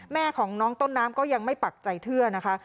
แม่ของน้องต้นน้ำก็ยังไม่ปักใจเชื่อนะคะ